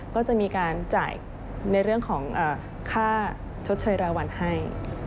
ก็จะมีการจ่ายในเรื่องของค่าชดเชยรายวันให้